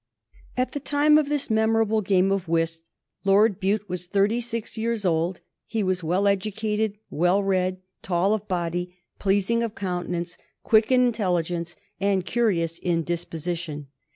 At the time of this memorable game of whist Lord Bute was thirty six years old. He was well educated, well read, tall of body, pleasing of countenance, quick in intelligence, and curious in disposition.